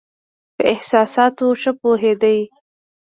په احساساتو ښه پوهېدی.